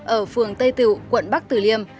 ở phường tây tựu quận bắc từ liêm